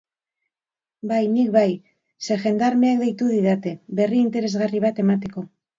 Ba nik bai, ze jendarmeek deitu didate, berri interesgarri bat emateko.